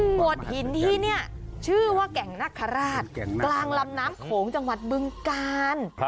โหดหินที่ชื่อว่าแก่งนาคาราศกลางลำน้ำของจังหวัดเมืองกาล